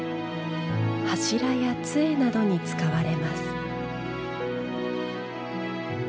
柱やつえなどに使われます。